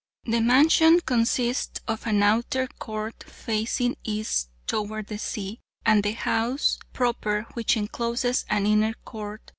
The mansion consists of an outer court, facing east toward the sea, and the house proper, which encloses an inner court.